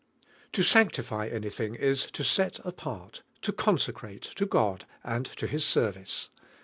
TO sanctify anything is to set apart, to consecrate, to God and to His set vice.